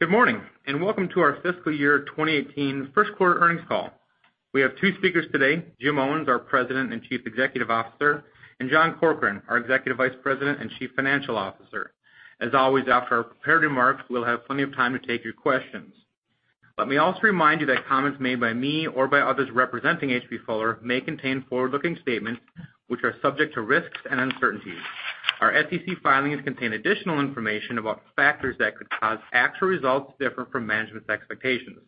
Good morning, welcome to our fiscal year 2018 first quarter earnings call. We have two speakers today, Jim Owens, our President and Chief Executive Officer, and John Corkrean, our Executive Vice President and Chief Financial Officer. As always, after our prepared remarks, we'll have plenty of time to take your questions. Let me also remind you that comments made by me or by others representing H.B. Fuller may contain forward-looking statements, which are subject to risks and uncertainties. Our SEC filings contain additional information about factors that could cause actual results different from management's expectations.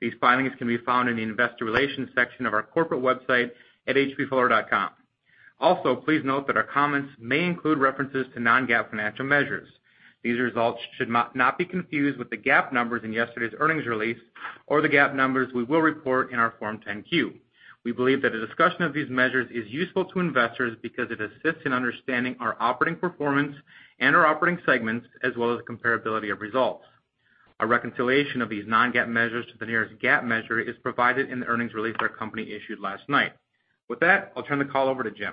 These filings can be found in the investor relations section of our corporate website at hbfuller.com. Also, please note that our comments may include references to non-GAAP financial measures. These results should not be confused with the GAAP numbers in yesterday's earnings release or the GAAP numbers we will report in our Form 10-Q. We believe that a discussion of these measures is useful to investors because it assists in understanding our operating performance and our operating segments, as well as the comparability of results. A reconciliation of these non-GAAP measures to the nearest GAAP measure is provided in the earnings release our company issued last night. With that, I'll turn the call over to Jim.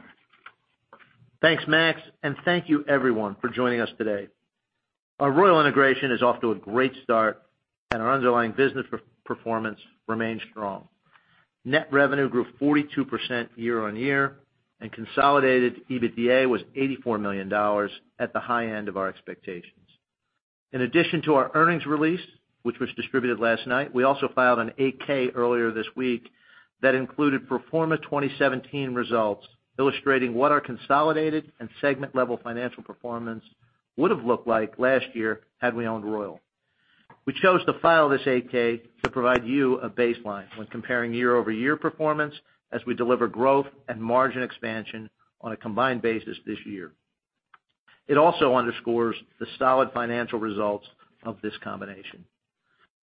Thanks, Max, thank you everyone for joining us today. Our Royal integration is off to a great start, our underlying business performance remains strong. Net revenue grew 42% year-over-year, consolidated EBITDA was $84 million at the high end of our expectations. In addition to our earnings release, which was distributed last night, we also filed an 8-K earlier this week that included pro forma 2017 results, illustrating what our consolidated and segment-level financial performance would have looked like last year had we owned Royal. We chose to file this 8-K to provide you a baseline when comparing year-over-year performance as we deliver growth and margin expansion on a combined basis this year. It also underscores the solid financial results of this combination.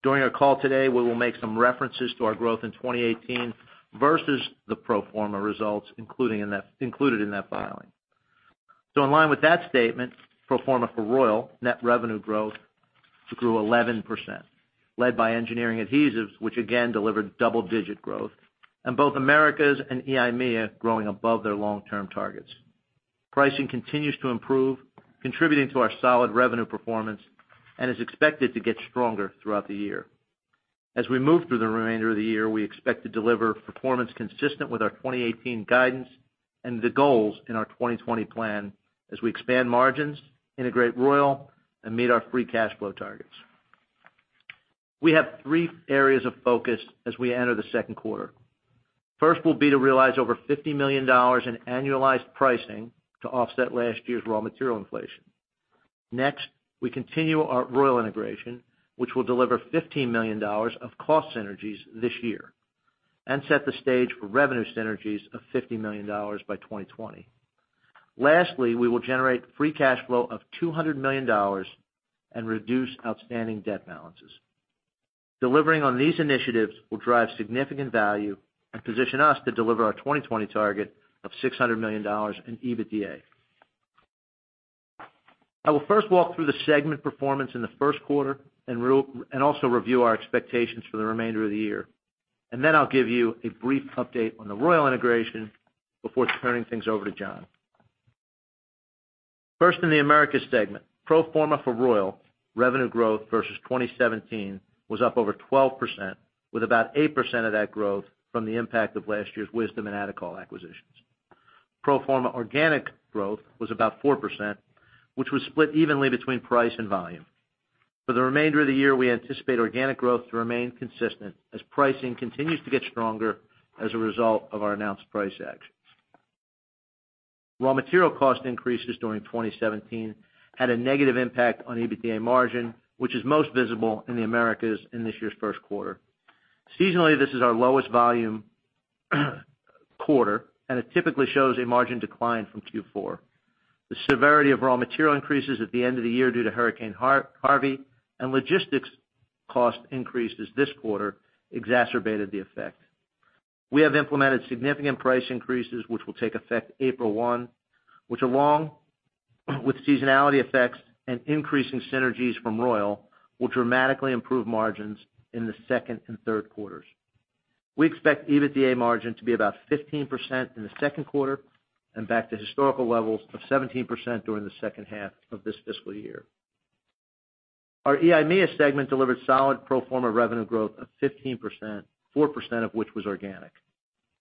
During our call today, we will make some references to our growth in 2018 versus the pro forma results included in that filing. In line with that statement, pro forma for Royal, net revenue growth grew 11%, led by engineering adhesives, which again delivered double-digit growth, both Americas and EIMEA growing above their long-term targets. Pricing continues to improve, contributing to our solid revenue performance and is expected to get stronger throughout the year. As we move through the remainder of the year, we expect to deliver performance consistent with our 2018 guidance and the goals in our 2020 plan as we expand margins, integrate Royal, and meet our free cash flow targets. We have three areas of focus as we enter the second quarter. First will be to realize over $50 million in annualized pricing to offset last year's raw material inflation. Next, we continue our Royal integration, which will deliver $15 million of cost synergies this year and set the stage for revenue synergies of $50 million by 2020. Lastly, we will generate free cash flow of $200 million and reduce outstanding debt balances. Delivering on these initiatives will drive significant value and position us to deliver our 2020 target of $600 million in EBITDA. I will first walk through the segment performance in the first quarter and also review our expectations for the remainder of the year. Then I'll give you a brief update on the Royal integration before turning things over to John. First, in the Americas segment, pro forma for Royal, revenue growth versus 2017 was up over 12%, with about 8% of that growth from the impact of last year's Wisdom and Adecol acquisitions. Pro forma organic growth was about 4%, which was split evenly between price and volume. For the remainder of the year, we anticipate organic growth to remain consistent as pricing continues to get stronger as a result of our announced price actions. Raw material cost increases during 2017 had a negative impact on EBITDA margin, which is most visible in the Americas in this year's first quarter. Seasonally, this is our lowest volume quarter, and it typically shows a margin decline from Q4. The severity of raw material increases at the end of the year due to Hurricane Harvey and logistics cost increases this quarter exacerbated the effect. We have implemented significant price increases, which will take effect April 1, which along with seasonality effects and increasing synergies from Royal, will dramatically improve margins in the second and third quarters. We expect EBITDA margin to be about 15% in the second quarter and back to historical levels of 17% during the second half of this fiscal year. Our EIMEA segment delivered solid pro forma revenue growth of 15%, 4% of which was organic.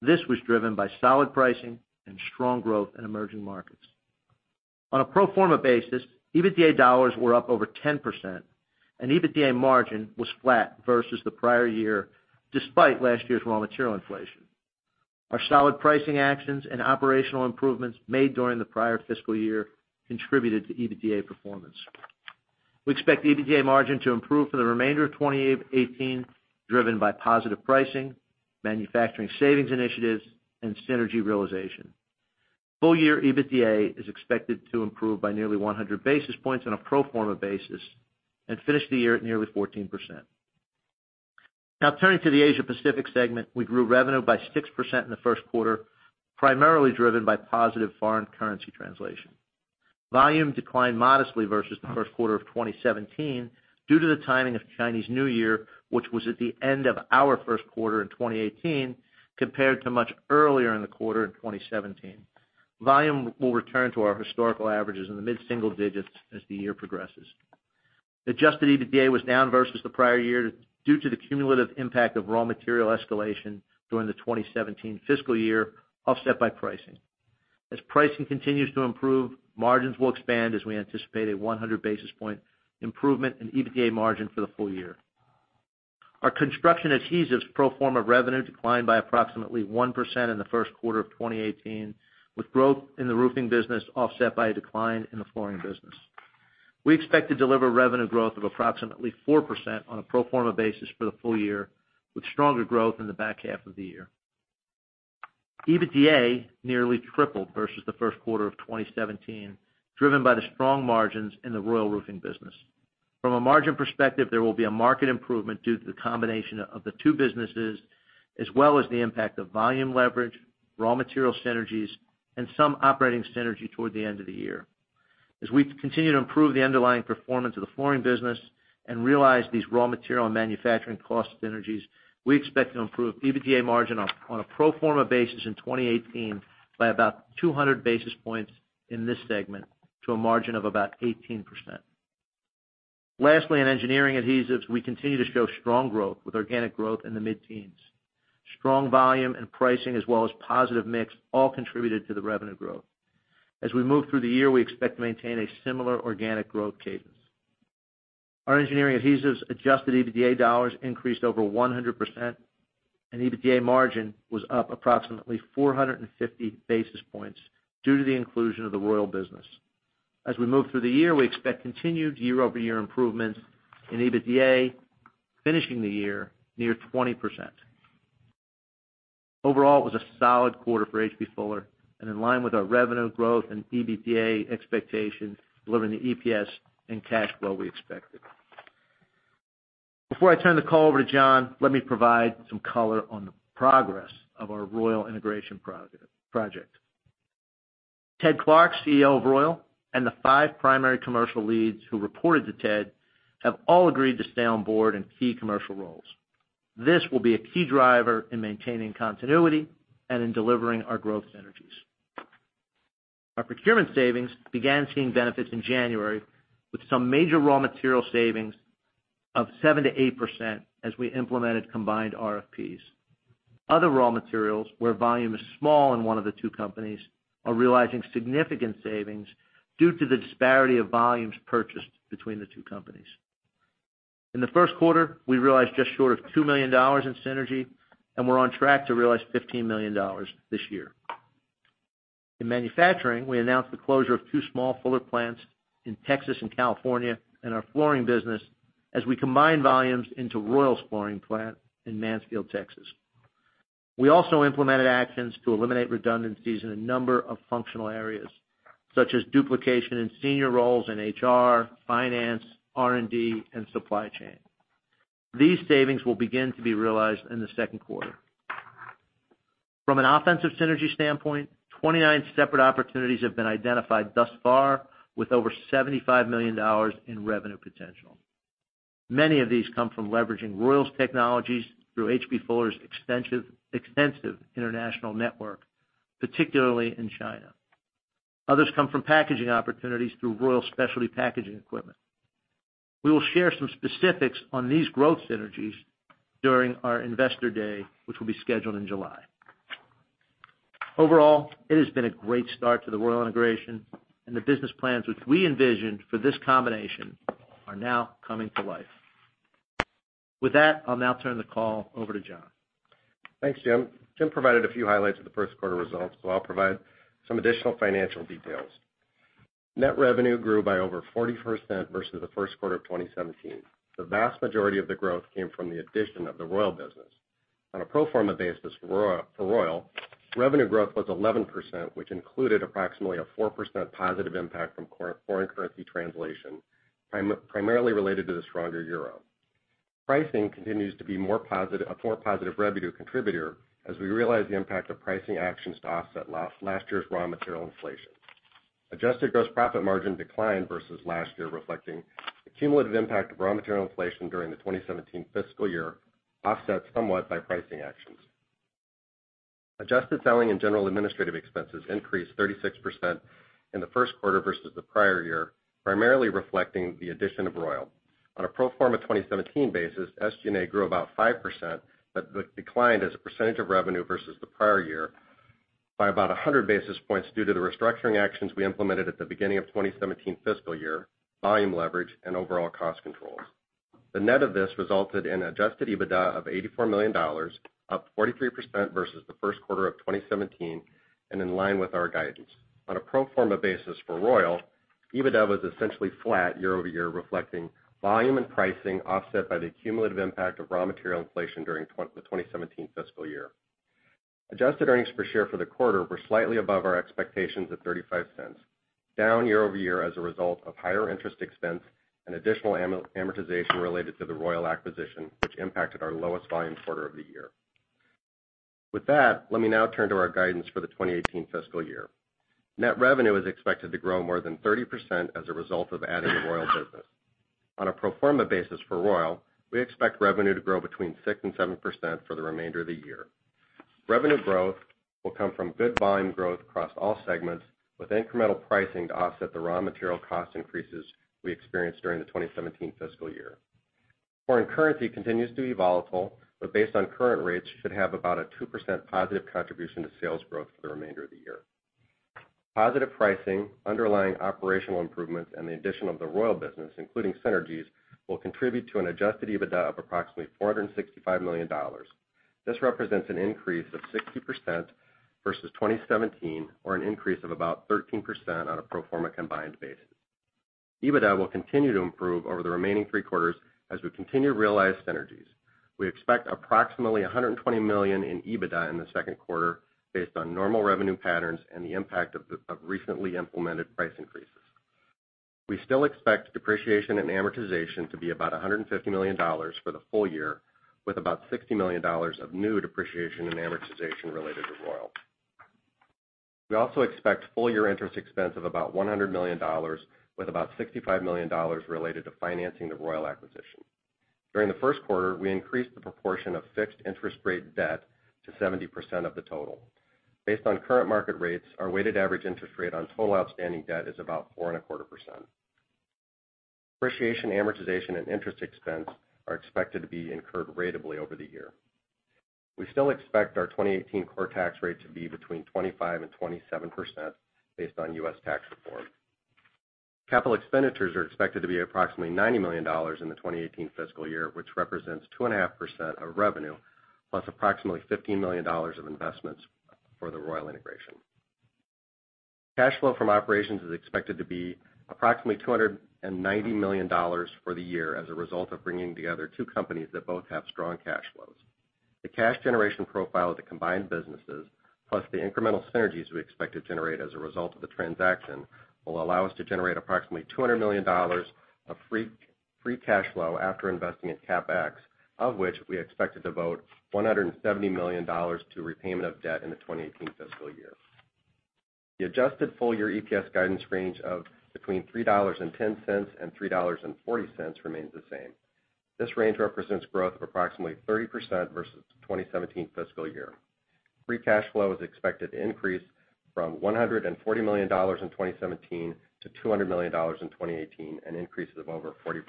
This was driven by solid pricing and strong growth in emerging markets. On a pro forma basis, EBITDA dollars were up over 10%, and EBITDA margin was flat versus the prior year, despite last year's raw material inflation. Our solid pricing actions and operational improvements made during the prior fiscal year contributed to EBITDA performance. We expect EBITDA margin to improve for the remainder of 2018, driven by positive pricing, manufacturing savings initiatives, and synergy realization. Full-year EBITDA is expected to improve by nearly 100 basis points on a pro forma basis and finish the year at nearly 14%. Turning to the Asia Pacific segment, we grew revenue by 6% in the first quarter, primarily driven by positive foreign currency translation. Volume declined modestly versus the first quarter of 2017 due to the timing of Chinese New Year, which was at the end of our first quarter in 2018, compared to much earlier in the quarter in 2017. Volume will return to our historical averages in the mid-single digits as the year progresses. Adjusted EBITDA was down versus the prior year due to the cumulative impact of raw material escalation during the 2017 fiscal year, offset by pricing. As pricing continues to improve, margins will expand as we anticipate a 100-basis-point improvement in EBITDA margin for the full year. Our construction adhesives pro forma revenue declined by approximately 1% in the first quarter of 2018, with growth in the roofing business offset by a decline in the flooring business. We expect to deliver revenue growth of approximately 4% on a pro forma basis for the full year, with stronger growth in the back half of the year. EBITDA nearly tripled versus the first quarter of 2017, driven by the strong margins in the Royal roofing business. From a margin perspective, there will be a market improvement due to the combination of the two businesses, as well as the impact of volume leverage, raw material synergies, and some operating synergy toward the end of the year. We continue to improve the underlying performance of the flooring business and realize these raw material and manufacturing cost synergies, we expect to improve EBITDA margin on a pro forma basis in 2018 by about 200 basis points in this segment to a margin of about 18%. Lastly, in engineering adhesives, we continue to show strong growth with organic growth in the mid-teens. Strong volume and pricing, as well as positive mix, all contributed to the revenue growth. We move through the year, we expect to maintain a similar organic growth cadence. Our engineering adhesives adjusted EBITDA dollars increased over 100%, and EBITDA margin was up approximately 450 basis points due to the inclusion of the Royal business. We move through the year, we expect continued year-over-year improvements in EBITDA, finishing the year near 20%. Overall, it was a solid quarter for H.B. Fuller, in line with our revenue growth and EBITDA expectations, delivering the EPS and cash flow we expected. Before I turn the call over to John, let me provide some color on the progress of our Royal integration project. Ted Clark, CEO of Royal, and the five primary commercial leads who reported to Ted, have all agreed to stay on board in key commercial roles. This will be a key driver in maintaining continuity and in delivering our growth synergies. Our procurement savings began seeing benefits in January, with some major raw material savings of 7%-8% as we implemented combined RFPs. Other raw materials, where volume is small in one of the two companies, are realizing significant savings due to the disparity of volumes purchased between the two companies. In the first quarter, we realized just short of $2 million in synergy, and we're on track to realize $15 million this year. In manufacturing, we announced the closure of two small Fuller plants in Texas and California in our flooring business, as we combine volumes into Royal's flooring plant in Mansfield, Texas. We also implemented actions to eliminate redundancies in a number of functional areas, such as duplication in senior roles in HR, finance, R&D, and supply chain. These savings will begin to be realized in the second quarter. From an offensive synergy standpoint, 29 separate opportunities have been identified thus far, with over $75 million in revenue potential. Many of these come from leveraging Royal's technologies through H.B. Fuller's extensive international network, particularly in China. Others come from packaging opportunities through Royal Specialty Packaging Equipment. We will share some specifics on these growth synergies during our Investor Day, which will be scheduled in July. Overall, it has been a great start to the Royal integration, and the business plans, which we envisioned for this combination, are now coming to life. With that, I'll now turn the call over to John. Thanks, Jim. Jim provided a few highlights of the first quarter results. I'll provide some additional financial details. Net revenue grew by over 40% versus the first quarter of 2017. The vast majority of the growth came from the addition of the Royal business. On a pro forma basis for Royal, revenue growth was 11%, which included approximately a 4% positive impact from foreign currency translation, primarily related to the stronger euro. Pricing continues to be a more positive revenue contributor as we realize the impact of pricing actions to offset last year's raw material inflation. Adjusted gross profit margin declined versus last year, reflecting the cumulative impact of raw material inflation during the 2017 fiscal year, offset somewhat by pricing actions. Adjusted selling and general administrative expenses increased 36% in the first quarter versus the prior year, primarily reflecting the addition of Royal. On a pro forma 2017 basis, SG&A grew about 5%, declined as a percentage of revenue versus the prior year by about 100 basis points due to the restructuring actions we implemented at the beginning of 2017 fiscal year, volume leverage, and overall cost controls. The net of this resulted in adjusted EBITDA of $84 million, up 43% versus the first quarter of 2017, and in line with our guidance. On a pro forma basis for Royal, EBITDA was essentially flat year-over-year, reflecting volume and pricing offset by the cumulative impact of raw material inflation during the 2017 fiscal year. Adjusted earnings per share for the quarter were slightly above our expectations of $0.35, down year-over-year as a result of higher interest expense and additional amortization related to the Royal acquisition, which impacted our lowest volume quarter of the year. With that, let me now turn to our guidance for the 2018 fiscal year. Net revenue is expected to grow more than 30% as a result of adding the Royal business. On a pro forma basis for Royal, we expect revenue to grow between 6%-7% for the remainder of the year. Revenue growth will come from good volume growth across all segments, with incremental pricing to offset the raw material cost increases we experienced during the 2017 fiscal year. Foreign currency continues to be volatile, based on current rates, should have about a 2% positive contribution to sales growth for the remainder of the year. Positive pricing, underlying operational improvements, and the addition of the Royal business, including synergies, will contribute to an adjusted EBITDA of approximately $465 million. This represents an increase of 60% versus 2017, or an increase of about 13% on a pro forma combined basis. EBITDA will continue to improve over the remaining three quarters as we continue to realize synergies. We expect approximately $120 million in EBITDA in the second quarter based on normal revenue patterns and the impact of recently implemented price increases. We still expect depreciation and amortization to be about $150 million for the full year, with about $60 million of new depreciation and amortization related to Royal. We also expect full-year interest expense of about $100 million, with about $65 million related to financing the Royal acquisition. During the first quarter, we increased the proportion of fixed interest rate debt to 70% of the total. Based on current market rates, our weighted average interest rate on total outstanding debt is about 4.25%. Depreciation, amortization, and interest expense are expected to be incurred ratably over the year. We still expect our 2018 core tax rate to be between 25%-27% based on U.S. tax reform. Capital expenditures are expected to be approximately $90 million in the 2018 fiscal year, which represents 2.5% of revenue, plus approximately $15 million of investments for the Royal integration. Cash flow from operations is expected to be approximately $290 million for the year as a result of bringing together two companies that both have strong cash flows. The cash generation profile of the combined businesses, plus the incremental synergies we expect to generate as a result of the transaction, will allow us to generate approximately $200 million of free cash flow after investing in CapEx, of which we expect to devote $170 million to repayment of debt in the 2018 fiscal year. The adjusted full-year EPS guidance range of between $3.10-$3.40 remains the same. This range represents growth of approximately 30% versus 2017 fiscal year. Free cash flow is expected to increase from $140 million in 2017 to $200 million in 2018, an increase of over 40%.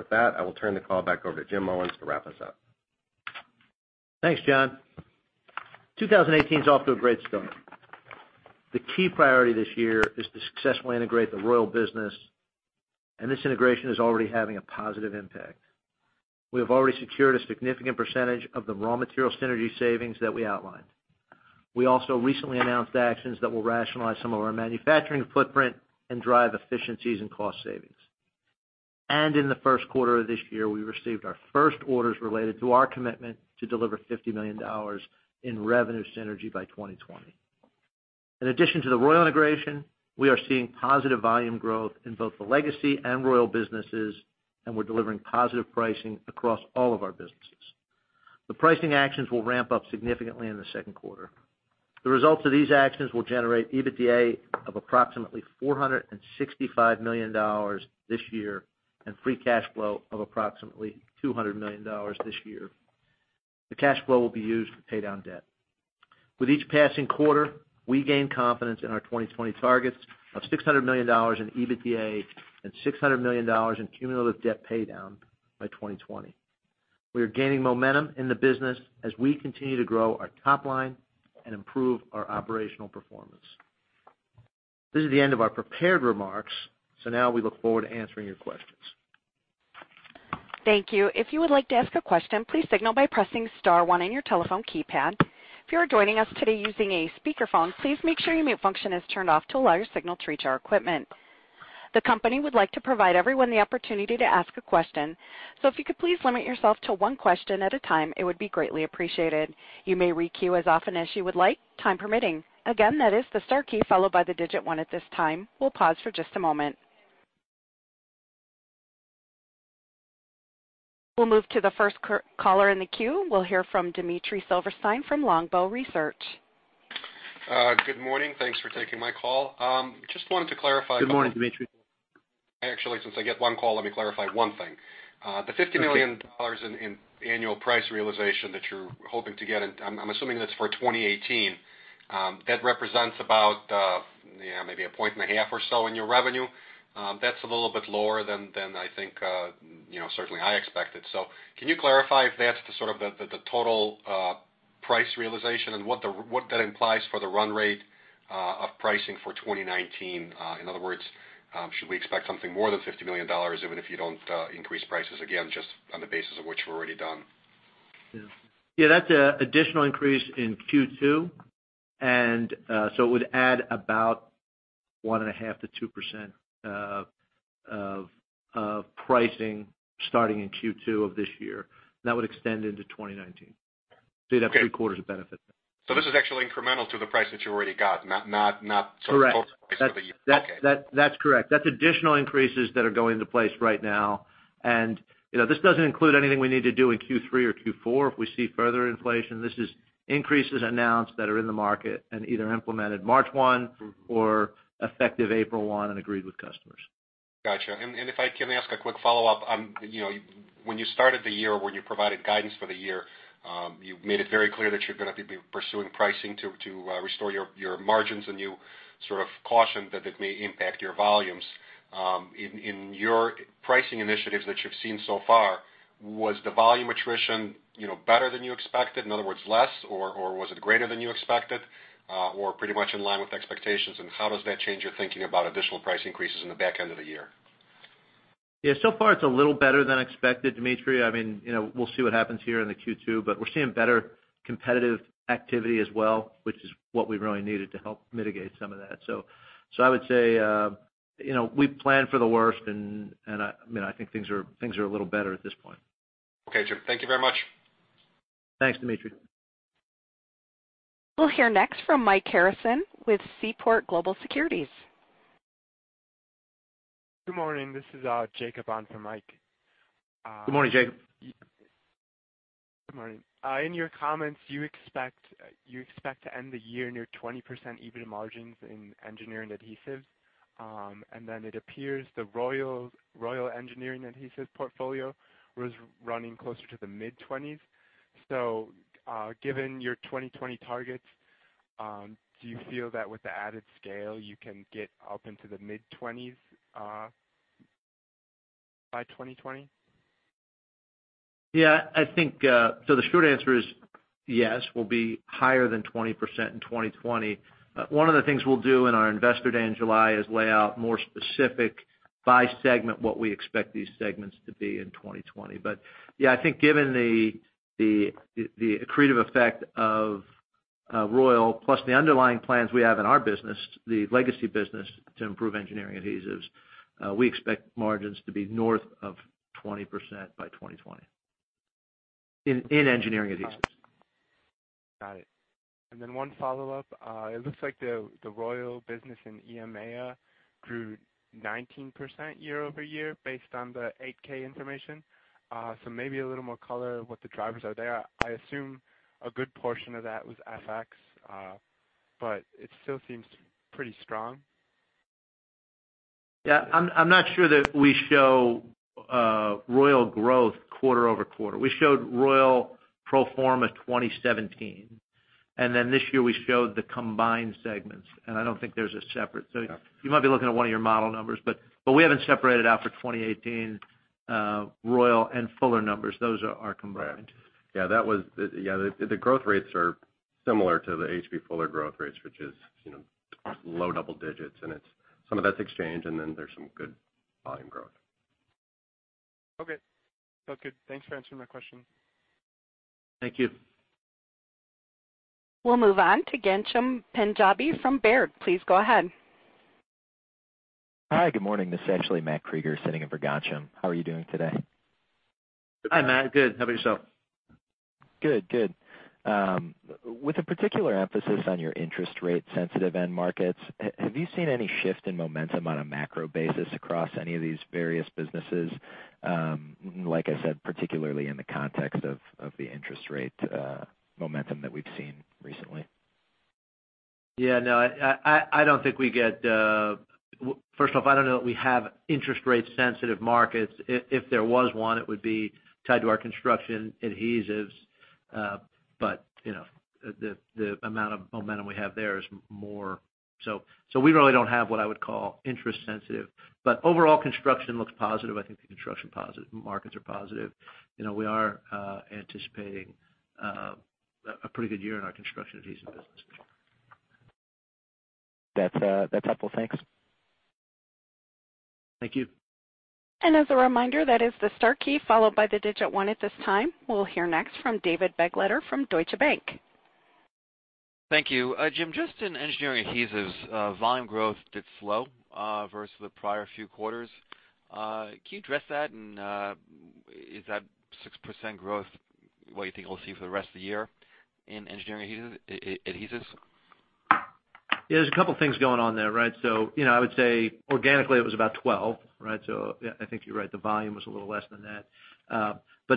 With that, I will turn the call back over to Jim Owens to wrap us up. Thanks, John. 2018 is off to a great start. The key priority this year is to successfully integrate the Royal business. This integration is already having a positive impact. We have already secured a significant percentage of the raw material synergy savings that we outlined. We also recently announced actions that will rationalize some of our manufacturing footprint and drive efficiencies and cost savings. In the first quarter of this year, we received our first orders related to our commitment to deliver $50 million in revenue synergy by 2020. In addition to the Royal integration, we are seeing positive volume growth in both the legacy and Royal businesses. We're delivering positive pricing across all of our businesses. The pricing actions will ramp up significantly in the second quarter. The results of these actions will generate EBITDA of approximately $465 million this year, and free cash flow of approximately $200 million this year. The cash flow will be used to pay down debt. With each passing quarter, we gain confidence in our 2020 targets of $600 million in EBITDA and $600 million in cumulative debt paydown by 2020. We are gaining momentum in the business as we continue to grow our top line and improve our operational performance. This is the end of our prepared remarks. Now we look forward to answering your questions. Thank you. If you would like to ask a question, please signal by pressing *1 on your telephone keypad. If you are joining us today using a speakerphone, please make sure your mute function is turned off to allow your signal to reach our equipment. The company would like to provide everyone the opportunity to ask a question. If you could please limit yourself to one question at a time, it would be greatly appreciated. You may re-queue as often as you would like, time permitting. Again, that is the * key followed by the digit 1 at this time. We'll pause for just a moment. We'll move to the first caller in the queue. We'll hear from Dmitry Silversteyn from Longbow Research. Good morning. Thanks for taking my call. Just wanted to clarify- Good morning, Dmitry. Actually, since I get one call, let me clarify one thing. The $50 million in annual price realization that you're hoping to get, I'm assuming that's for 2018. That represents about maybe a point and a half or so in your revenue. That's a little bit lower than I think certainly I expected. Can you clarify if that's the sort of the total price realization and what that implies for the run rate of pricing for 2019? In other words, should we expect something more than $50 million, even if you don't increase prices again, just on the basis of what you've already done? Yeah. That's an additional increase in Q2. It would add about 1.5%-2% of pricing starting in Q2 of this year. That would extend into 2019. You'd have three quarters of benefit. This is actually incremental to the price that you already got, not sort of- Correct. Total price for the year. Okay. That's correct. That's additional increases that are going into place right now. This doesn't include anything we need to do in Q3 or Q4 if we see further inflation. This is increases announced that are in the market and either implemented March 1 or effective April 1 and agreed with customers. Got you. If I can ask a quick follow-up. When you started the year, when you provided guidance for the year, you made it very clear that you're going to be pursuing pricing to restore your margins, and you sort of cautioned that it may impact your volumes. In your pricing initiatives that you've seen so far, was the volume attrition better than you expected? In other words, less, or was it greater than you expected, or pretty much in line with expectations? How does that change your thinking about additional price increases in the back end of the year? So far it's a little better than expected, Dmitry. We'll see what happens here in the Q2, but we're seeing better competitive activity as well, which is what we really needed to help mitigate some of that. I would say, we planned for the worst, and I think things are a little better at this point. Okay, Jim. Thank you very much. Thanks, Dmitry. We'll hear next from Mike Harrison with Seaport Global Securities. Good morning. This is Jacob on for Mike. Good morning, Jacob. Good morning. In your comments, you expect to end the year near 20% EBITDA margins in engineering adhesives. It appears the Royal engineering adhesives portfolio was running closer to the mid-20s. Given your 2020 targets, do you feel that with the added scale, you can get up into the mid-20s by 2020? The short answer is yes, we'll be higher than 20% in 2020. One of the things we'll do in our Investor Day in July is lay out more specific by segment what we expect these segments to be in 2020. I think given the accretive effect of Royal plus the underlying plans we have in our business, the legacy business, to improve engineering adhesives, we expect margins to be north of 20% by 2020 in engineering adhesives. Got it. One follow-up. It looks like the Royal business in EIMEA grew 19% year-over-year based on the 8-K information. Maybe a little more color what the drivers are there. I assume a good portion of that was FX, but it still seems pretty strong. Yeah. I'm not sure that we show Royal growth quarter-over-quarter. We showed Royal pro forma 2017, this year we showed the combined segments, I don't think there's a separate. You might be looking at one of your model numbers, but we haven't separated out for 2018 Royal and Fuller numbers. Those are combined. Right. Yeah. The growth rates are similar to the H.B. Fuller growth rates, which is low double digits, and some of that's exchange, and then there's some good volume growth. Okay. Sounds good. Thanks for answering my question. Thank you. We'll move on to Ghansham Panjabi from Baird. Please go ahead. Hi, good morning. This is actually Matt Krieger sitting in for Ghansham. How are you doing today? Hi, Matt. Good. How about yourself? Good. With a particular emphasis on your interest rate sensitive end markets, have you seen any shift in momentum on a macro basis across any of these various businesses, like I said, particularly in the context of the interest rate momentum that we've seen recently? Yeah, no, first off, I don't know that we have interest rate sensitive markets. If there was one, it would be tied to our construction adhesives. The amount of momentum we have there is more. We really don't have what I would call interest sensitive. Overall construction looks positive. I think the construction markets are positive. We are anticipating a pretty good year in our construction adhesive business. That's helpful. Thanks. Thank you. As a reminder, that is the star key followed by the digit one at this time. We'll hear next from David Begleiter from Deutsche Bank. Thank you. Jim, just in engineering adhesives, volume growth did slow versus the prior few quarters. Can you address that? Is that 6% growth what you think we'll see for the rest of the year in engineering adhesives? Yeah, there's a couple of things going on there. I would say organically it was about 12%. I think you're right, the volume was a little less than that.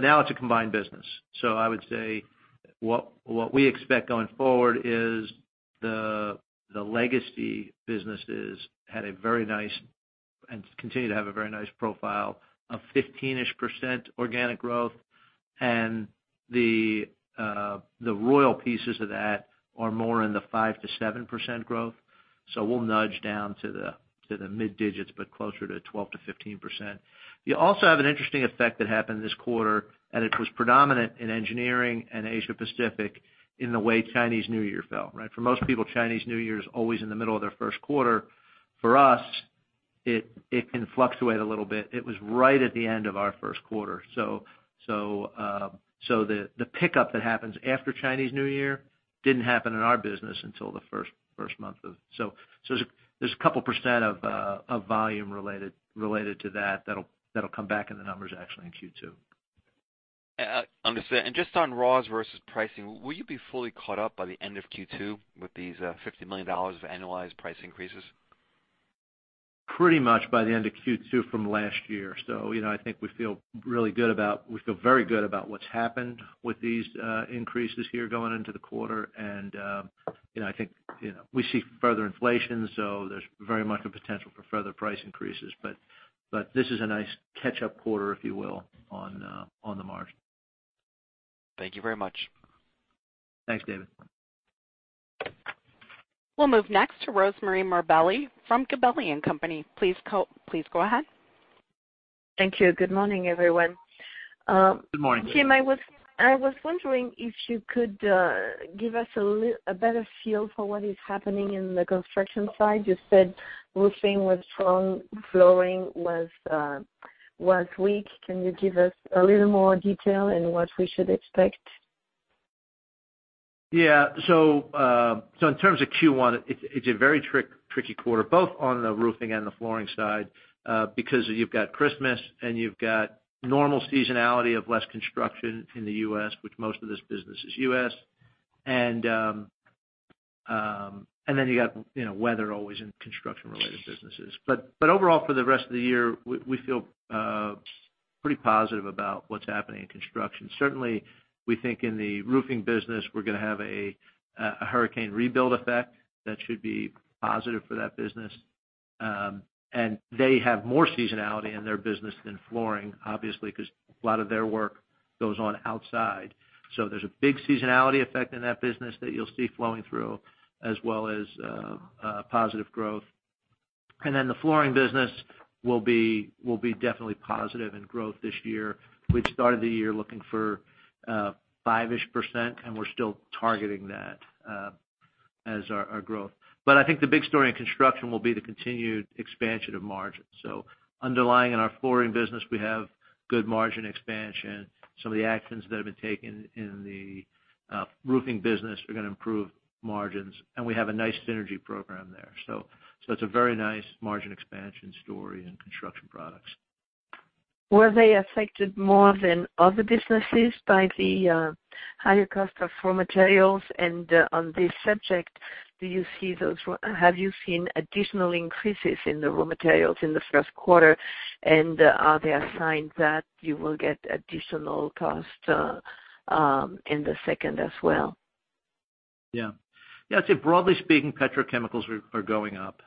Now it's a combined business. I would say what we expect going forward is the legacy businesses had a very nice, and continue to have a very nice profile of 15%-ish organic growth, and the Royal pieces of that are more in the 5%-7% growth. We'll nudge down to the mid-digits, but closer to 12%-15%. You also have an interesting effect that happened this quarter, and it was predominant in Engineering and Asia Pacific in the way Chinese New Year fell. For most people, Chinese New Year is always in the middle of their first quarter. For us, it can fluctuate a little bit. It was right at the end of our first quarter. The pickup that happens after Chinese New Year didn't happen in our business until the first month. There's a couple of percent of volume related to that'll come back in the numbers actually in Q2. Understood. Just on raws versus pricing, will you be fully caught up by the end of Q2 with these $50 million of annualized price increases? Pretty much by the end of Q2 from last year. I think we feel very good about what's happened with these increases here going into the quarter. I think we see further inflation, there's very much a potential for further price increases, this is a nice catch-up quarter, if you will, on the margin. Thank you very much. Thanks, David. We'll move next to Rosemarie Morbelli from Gabelli & Company. Please go ahead. Thank you. Good morning, everyone. Good morning. Jim, I was wondering if you could give us a better feel for what is happening in the construction side. You said roofing was strong, flooring was weak. Can you give us a little more detail in what we should expect? Yeah. In terms of Q1, it's a very tricky quarter, both on the roofing and the flooring side, because you've got Christmas and you've got normal seasonality of less construction in the U.S., which most of this business is U.S. Then you got weather always in construction related businesses. Overall, for the rest of the year, we feel pretty positive about what's happening in construction. Certainly, we think in the roofing business, we're going to have a hurricane rebuild effect that should be positive for that business. They have more seasonality in their business than flooring, obviously, because a lot of their work goes on outside. There's a big seasonality effect in that business that you'll see flowing through as well as positive growth. Then the flooring business will be definitely positive in growth this year. We'd started the year looking for 5-ish%, We're still targeting that as our growth. I think the big story in construction will be the continued expansion of margins. Underlying in our flooring business, we have good margin expansion. Some of the actions that have been taken in the roofing business are going to improve margins, We have a nice synergy program there. It's a very nice margin expansion story in construction products. Were they affected more than other businesses by the higher cost of raw materials? On this subject, have you seen additional increases in the raw materials in the first quarter? Are there signs that you will get additional cost in the second as well? Yeah. I'd say broadly speaking, petrochemicals are going up.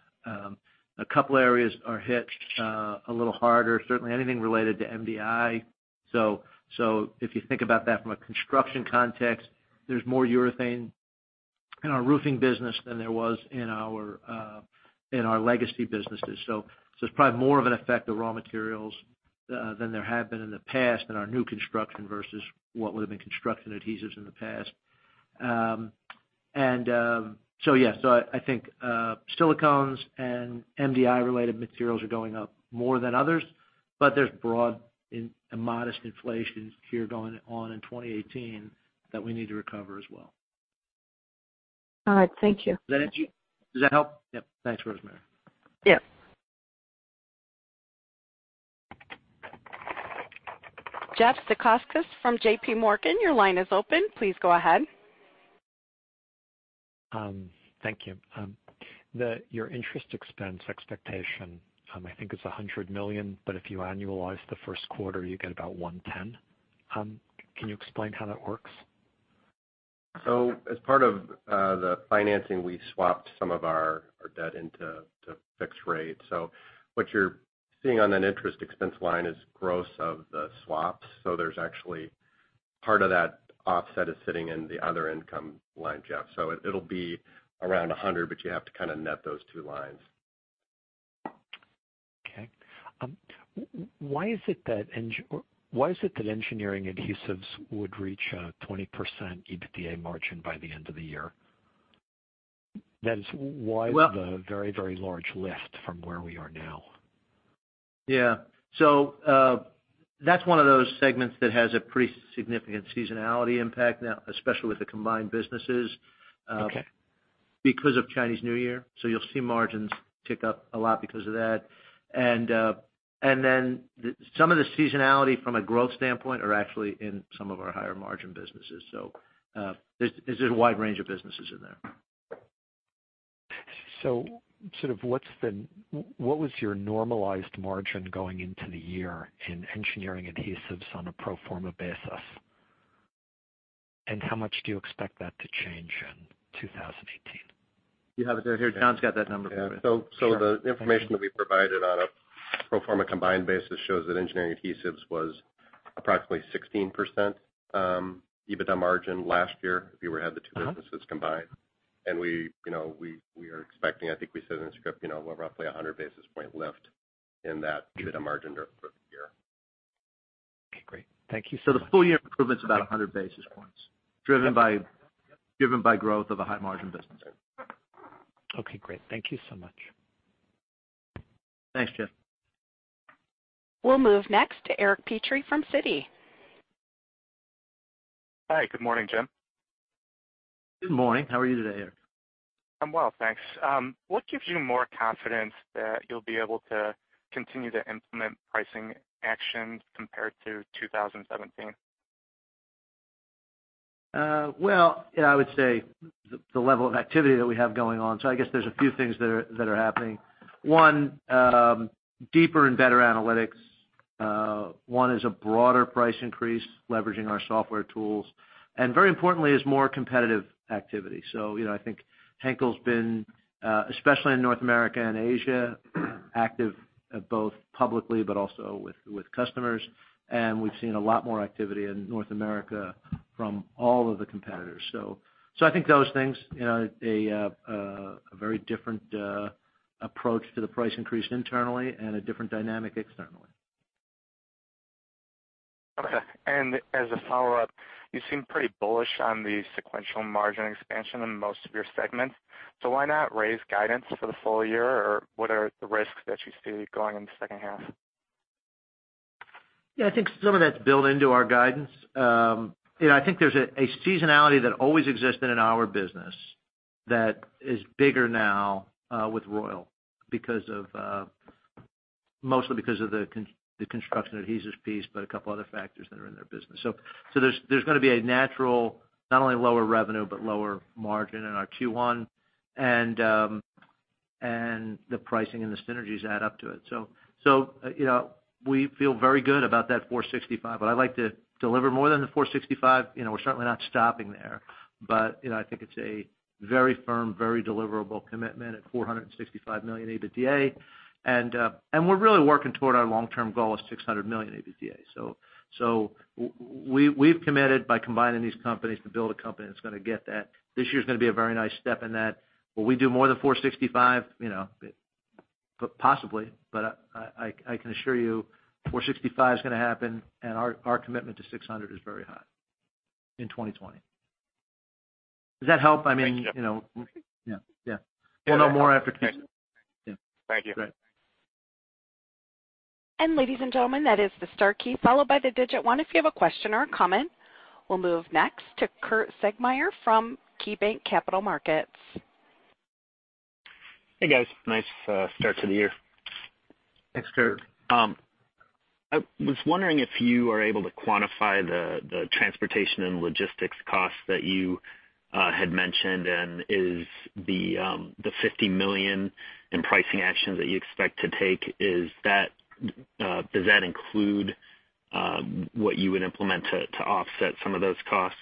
A couple areas are hit a little harder, certainly anything related to MDI. If you think about that from a construction context, there's more urethane in our roofing business than there was in our legacy businesses. It's probably more of an effect of raw materials than there have been in the past in our new construction versus what would've been construction adhesives in the past. Yeah. I think silicones and MDI related materials are going up more than others, but there's broad and modest inflation here going on in 2018 that we need to recover as well. All right. Thank you. Does that help? Yep. Thanks, Rosemarie. Yep. Jeff Zekauskas from J.P. Morgan. Your line is open. Please go ahead. Thank you. Your interest expense expectation, I think is $100 million, but if you annualize the first quarter, you get about $110. Can you explain how that works? As part of the financing, we swapped some of our debt into fixed rate. What you're seeing on that interest expense line is gross of the swaps. There's actually part of that offset is sitting in the other income line, Jeff. It'll be around $100, but you have to kind of net those two lines. Okay. Why is it that engineering adhesives would reach a 20% EBITDA margin by the end of the year? That is, why the very large lift from where we are now? Yeah. That's one of those segments that has a pretty significant seasonality impact now, especially with the combined businesses. Okay Because of Chinese New Year. You'll see margins tick up a lot because of that. Some of the seasonality from a growth standpoint are actually in some of our higher margin businesses. There's a wide range of businesses in there. What was your normalized margin going into the year in engineering adhesives on a pro forma basis? How much do you expect that to change in 2018? You have it there. Here, John's got that number for you. Yeah. The information that we provided on a pro forma combined basis shows that engineering adhesives was approximately 16% EBITDA margin last year, if you were to add the two businesses combined. We are expecting, I think we said it in the script, roughly 100 basis point lift in that EBITDA margin for the year. Okay, great. Thank you so much. The full year improvement's about 100 basis points, driven by growth of a high margin business. Okay, great. Thank you so much. Thanks, Jeff. We'll move next to Eric Petrie from Citi. Hi, good morning, Jim. Good morning. How are you today, Eric? I'm well, thanks. What gives you more confidence that you'll be able to continue to implement pricing actions compared to 2017? Well, I would say the level of activity that we have going on. I guess there's a few things that are happening. One, deeper and better analytics. One is a broader price increase, leveraging our software tools, and very importantly is more competitive activity. I think Henkel's been, especially in North America and Asia, active both publicly but also with customers, and we've seen a lot more activity in North America from all of the competitors. I think those things, a very different approach to the price increase internally and a different dynamic externally. Okay. As a follow-up, you seem pretty bullish on the sequential margin expansion in most of your segments. Why not raise guidance for the full year? What are the risks that you see going in the second half? Yeah, I think some of that's built into our guidance. I think there's a seasonality that always existed in our business that is bigger now with Royal mostly because of the construction adhesives piece, but a couple other factors that are in their business. There's going to be a natural, not only lower revenue, but lower margin in our Q1, and the pricing and the synergies add up to it. We feel very good about that $465 million, but I'd like to deliver more than the $465 million. We're certainly not stopping there. I think it's a very firm, very deliverable commitment at $465 million EBITDA, and we're really working toward our long-term goal of $600 million EBITDA. We've committed by combining these companies to build a company that's going to get that. This year's going to be a very nice step in that. Will we do more than 465? Possibly, but I can assure you 465 is going to happen, and our commitment to 600 is very high in 2020. Does that help? Thank you. You'll know more after Q2. Thank you. Great. ladies and gentlemen, that is the star key, followed by the digit 1 if you have a question or a comment. We'll move next to Kurt Segmeier from KeyBanc Capital Markets. Hey, guys. Nice start to the year. Thanks, Kurt. I was wondering if you are able to quantify the transportation and logistics costs that you had mentioned, is the $50 million in pricing actions that you expect to take, does that include what you would implement to offset some of those costs?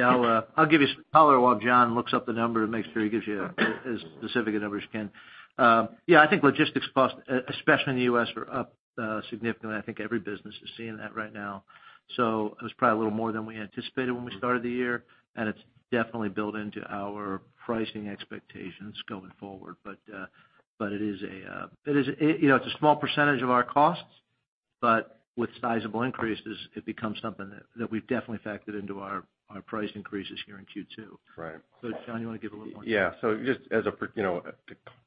I'll give you some color while John looks up the number to make sure he gives you as specific a number as you can. I think logistics costs, especially in the U.S., are up significantly. I think every business is seeing that right now. It was probably a little more than we anticipated when we started the year, and it's definitely built into our pricing expectations going forward. It's a small percentage of our costs, but with sizable increases, it becomes something that we've definitely factored into our price increases here in Q2. Right. John, you want to give a little more? Just to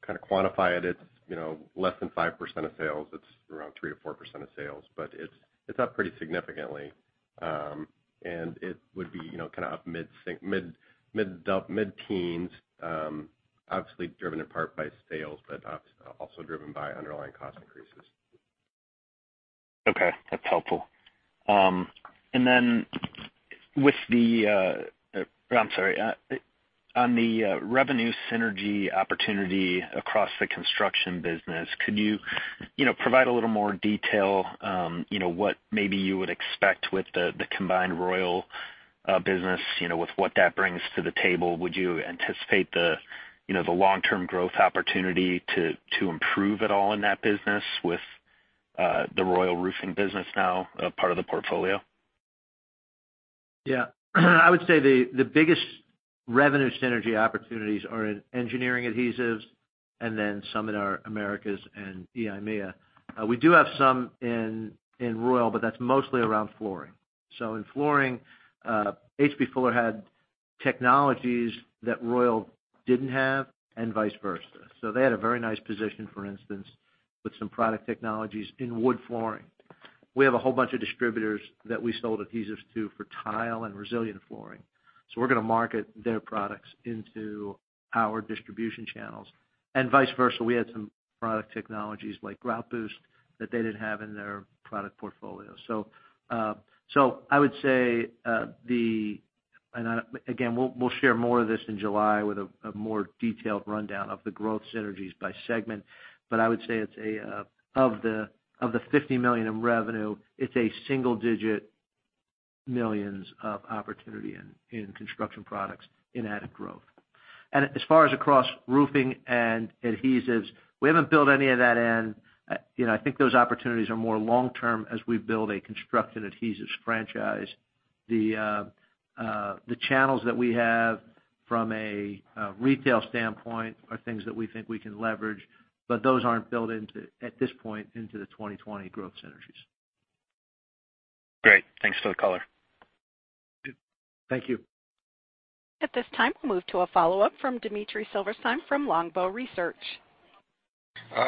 kind of quantify it's less than 5% of sales. It's around 3%-4% of sales, but it's up pretty significantly. It would be kind of up mid-teens, obviously driven in part by sales, but obviously also driven by underlying cost increases. That's helpful. Then on the revenue synergy opportunity across the construction business, could you provide a little more detail what maybe you would expect with the combined Royal business, with what that brings to the table? Would you anticipate the long-term growth opportunity to improve at all in that business with the Royal Roofing business now a part of the portfolio? I would say the biggest revenue synergy opportunities are in engineering adhesives and then some in our Americas and EIMEA. We do have some in Royal, but that is mostly around flooring. In flooring, H.B. Fuller had technologies that Royal did not have, and vice versa. They had a very nice position, for instance, with some product technologies in wood flooring. We have a whole bunch of distributors that we sold adhesives to for tile and resilient flooring. We are going to market their products into our distribution channels. Vice versa, we had some product technologies like Grout Boost that they did not have in their product portfolio. I would say, and again, we will share more of this in July with a more detailed rundown of the growth synergies by segment. I would say of the $50 million in revenue, it is a single-digit millions of opportunity in construction products in added growth. As far as across roofing and adhesives, we have not built any of that in. I think those opportunities are more long-term as we build a construction adhesives franchise. The channels that we have from a retail standpoint are things that we think we can leverage, but those are not built into, at this point, into the 2020 growth synergies. Great. Thanks for the color. Thank you. At this time, we'll move to a follow-up from Dmitry Silversteyn from Longbow Research.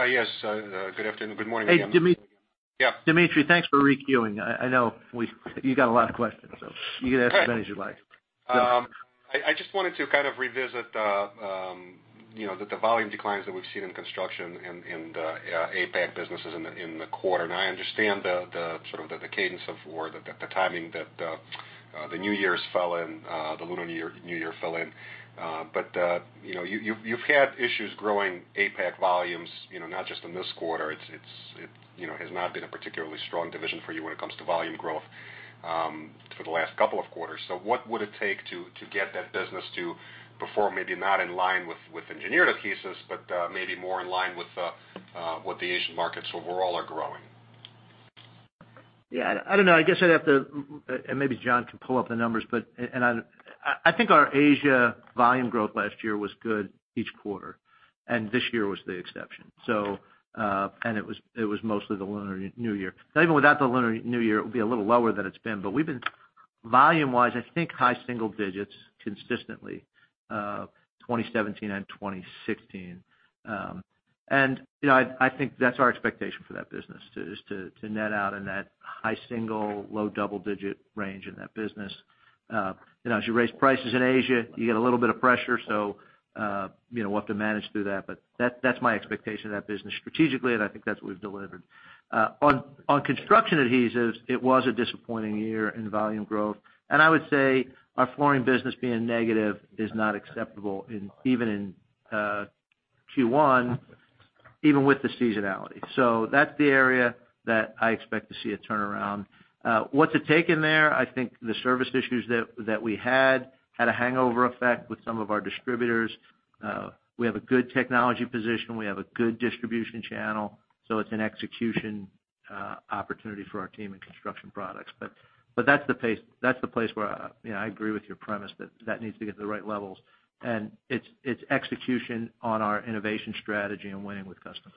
Yes. Good afternoon. Good morning again. Hey, Dmitry. Yeah. Dmitry, thanks for re-queuing. I know you got a lot of questions. You can ask as many as you like. I just wanted to kind of revisit the volume declines that we've seen in construction and APAC businesses in the quarter. I understand the sort of the cadence of, or the timing that the Lunar New Year fell in. You've had issues growing APAC volumes, not just in this quarter. It has not been a particularly strong division for you when it comes to volume growth for the last couple of quarters. What would it take to get that business to perform, maybe not in line with engineering adhesives, but maybe more in line with what the Asian markets overall are growing? Yeah, I don't know. I guess I'd have to, maybe John can pull up the numbers, but I think our Asia volume growth last year was good each quarter, and this year was the exception. It was mostly the Lunar New Year. Even without the Lunar New Year, it would be a little lower than it's been. We've been, volume-wise, I think high single digits consistently, 2017 and 2016. I think that's our expectation for that business, is to net out in that high single, low double digit range in that business. As you raise prices in Asia, you get a little bit of pressure, we'll have to manage through that's my expectation of that business strategically, and I think that's what we've delivered. On construction adhesives, it was a disappointing year in volume growth. I would say our flooring business being negative is not acceptable even in Q1, even with the seasonality. That's the area that I expect to see a turnaround. What's it taken there? I think the service issues that we had a hangover effect with some of our distributors. We have a good technology position. We have a good distribution channel, it's an execution opportunity for our team in Construction Products. That's the place where I agree with your premise, that that needs to get to the right levels. It's execution on our innovation strategy and winning with customers.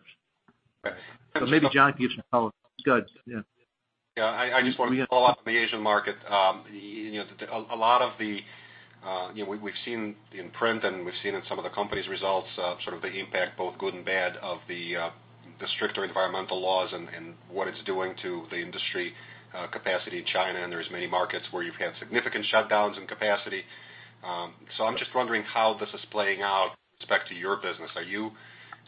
Right. Maybe John can give some color. Go ahead, yeah. Yeah, I just want to follow up on the Asian market. We've seen in print, and we've seen in some of the company's results, sort of the impact, both good and bad, of the stricter environmental laws and what it's doing to the industry capacity in China. There's many markets where you've had significant shutdowns in capacity. I'm just wondering how this is playing out with respect to your business. Are you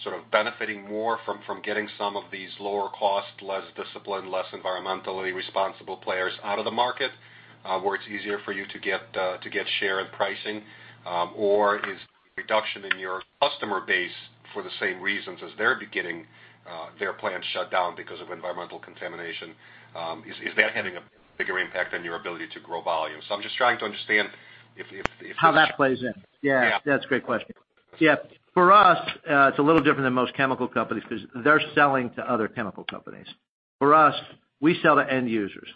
sort of benefiting more from getting some of these lower cost, less disciplined, less environmentally responsible players out of the market, where it's easier for you to get share and pricing? Or is there a reduction in your customer base for the same reasons as they're getting their plants shut down because of environmental contamination? Is that having a bigger impact on your ability to grow volume? I'm just trying to understand if- How that plays in. Yeah. Yeah. That's a great question. Yeah. For us, it's a little different than most chemical companies because they're selling to other chemical companies. For us, we sell to end users,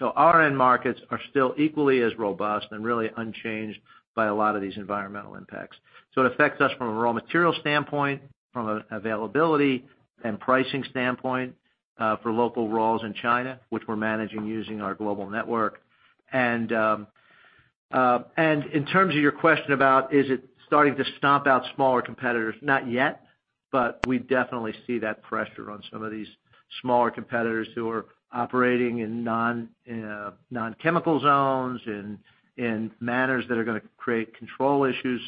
our end markets are still equally as robust and really unchanged by a lot of these environmental impacts. It affects us from a raw material standpoint, from an availability and pricing standpoint for local raws in China, which we're managing using our global network. In terms of your question about is it starting to stomp out smaller competitors, not yet, but we definitely see that pressure on some of these smaller competitors who are operating in non-chemical zones, in manners that are going to create control issues.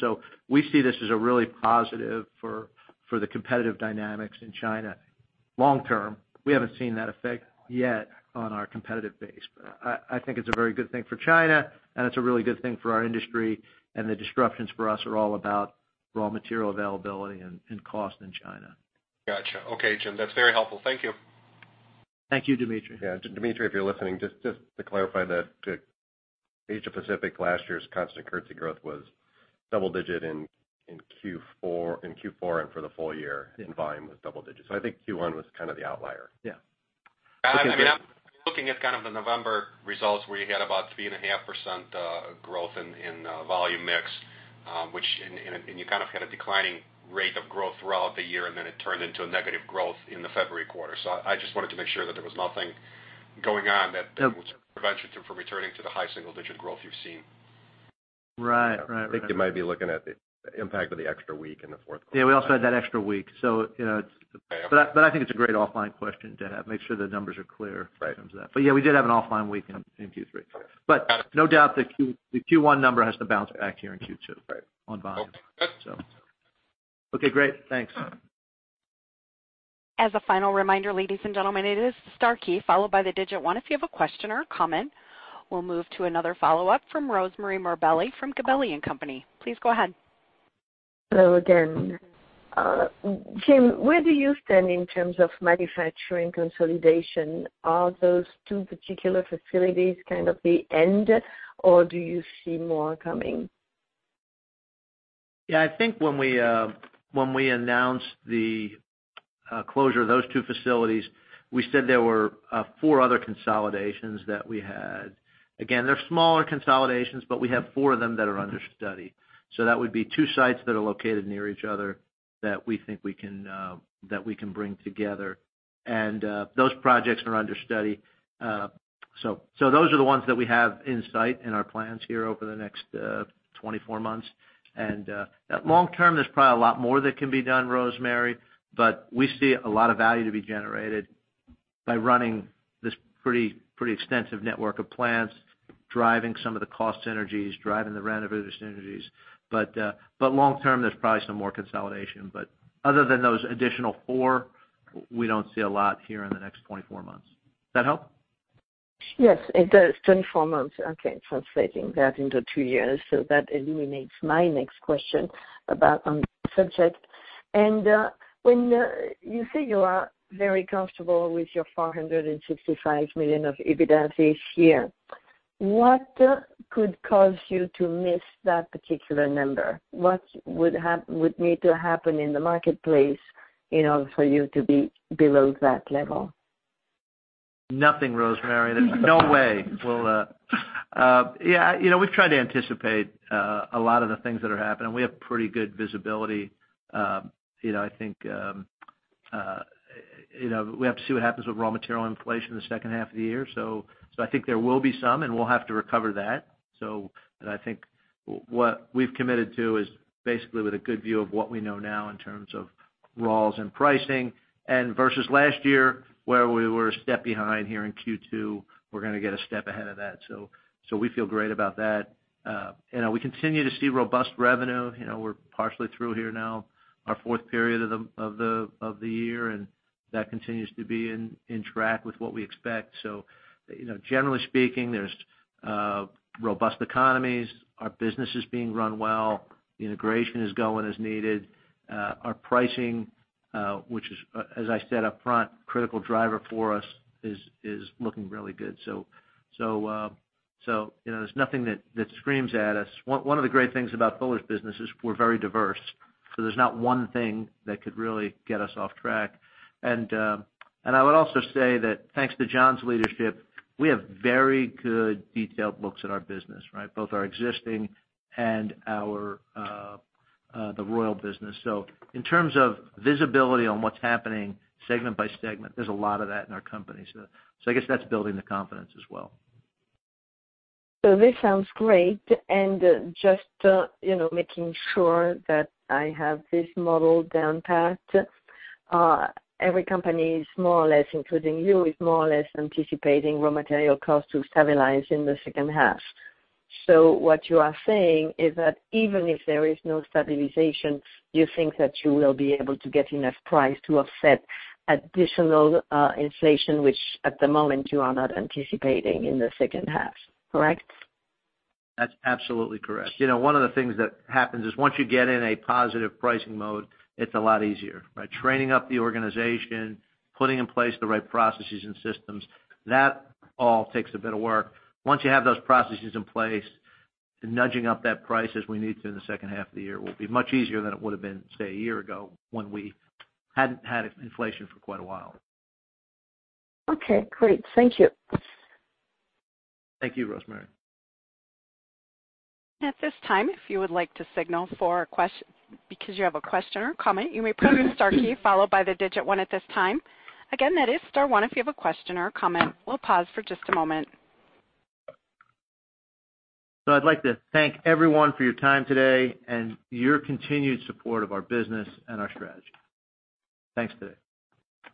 We see this as a really positive for the competitive dynamics in China long term. We haven't seen that effect yet on our competitive base. I think it's a very good thing for China, and it's a really good thing for our industry, and the disruptions for us are all about raw material availability and cost in China. Got you. Okay, Jim, that's very helpful. Thank you. Thank you, Dmitry. Yeah. Dmitry, if you're listening, just to clarify that Asia Pacific last year's constant currency growth was double digit in Q4 and for the full year in volume was double digits. I think Q1 was kind of the outlier. Yeah. I mean, I'm looking at kind of the November results where you had about 3.5% growth in volume mix. You kind of had a declining rate of growth throughout the year. Then it turned into a negative growth in the February quarter. I just wanted to make sure that there was nothing going on that would prevent you from returning to the high single digit growth you've seen. Right. I think you might be looking at the impact of the extra week in the fourth quarter. Yeah, we also had that extra week. I think it's a great offline question to make sure the numbers are clear in terms of that. Right. Yeah, we did have an offline week in Q3. No doubt, the Q1 number has to bounce back here in Q2. Right. On volume. Okay. Okay, great. Thanks. As a final reminder, ladies and gentlemen, it is star key, followed by the digit 1, if you have a question or a comment. We'll move to another follow-up from Rosemarie Morbelli from Gabelli & Company. Please go ahead. Hello again. Jim, where do you stand in terms of manufacturing consolidation? Are those two particular facilities kind of the end, or do you see more coming? Yeah, I think when we announced the closure of those two facilities, we said there were four other consolidations that we had. Again, they're smaller consolidations, but we have four of them that are under study. That would be two sites that are located near each other that we think we can bring together. Those projects are under study. Those are the ones that we have in sight in our plans here over the next 24 months. Long term, there's probably a lot more that can be done, Rosemarie, but we see a lot of value to be generated by running this pretty extensive network of plants, driving some of the cost synergies, driving the revenue synergies. Long term, there's probably some more consolidation. Other than those additional four, we don't see a lot here in the next 24 months. Does that help? Yes, it does. 24 months. Okay, translating that into two years. That eliminates my next question about on the subject. When you say you are very comfortable with your $465 million of EBITDA this year, what could cause you to miss that particular number? What would need to happen in the marketplace in order for you to be below that level? Nothing, Rosemarie. There's no way. We've tried to anticipate a lot of the things that are happening. We have pretty good visibility. We have to see what happens with raw material inflation in the second half of the year. There will be some, and we'll have to recover that. What we've committed to is basically with a good view of what we know now in terms of raws and pricing. Versus last year, where we were a step behind here in Q2, we're going to get a step ahead of that. We feel great about that. We continue to see robust revenue. We're partially through here now our fourth period of the year, and that continues to be in track with what we expect. Generally speaking, there's robust economies. Our business is being run well. The integration is going as needed. Our pricing, which is, as I said up front, critical driver for us, is looking really good. There's nothing that screams at us. One of the great things about Fuller's business is we're very diverse, so there's not one thing that could really get us off track. I would also say that thanks to John's leadership, we have very good detailed looks at our business, both our existing and the Royal business. In terms of visibility on what's happening segment by segment, there's a lot of that in our company. That's building the confidence as well. This sounds great, and just making sure that I have this model down pat. Every company is more or less, including you, is more or less anticipating raw material cost to stabilize in the second half. What you are saying is that even if there is no stabilization, you think that you will be able to get enough price to offset additional inflation, which at the moment you are not anticipating in the second half, correct? That's absolutely correct. One of the things that happens is once you get in a positive pricing mode, it's a lot easier. By training up the organization, putting in place the right processes and systems, that all takes a bit of work. Once you have those processes in place, nudging up that price as we need to in the second half of the year will be much easier than it would have been, say, a year ago when we hadn't had inflation for quite a while. Okay, great. Thank you. Thank you, Rosemarie. At this time, if you would like to signal because you have a question or comment, you may press star key followed by the digit 1 at this time. Again, that is star one if you have a question or a comment. We'll pause for just a moment. I'd like to thank everyone for your time today and your continued support of our business and our strategy. Thanks today.